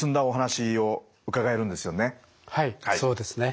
はいそうですね。